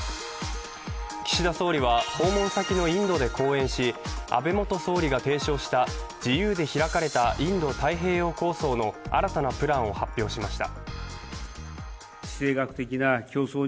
岸田総理は訪問先のインドで講演し、安倍元総理が提唱した自由で開かれたインド太平洋構想の新たなプランを発表しました。